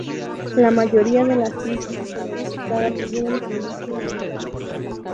La mayoría de las crisis generalizadas tienen su inicio en la infancia.